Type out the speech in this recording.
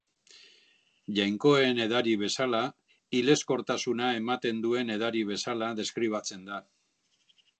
Jainkoen edari bezala, hilezkortasuna ematen duen edari bezala, deskribatzen da.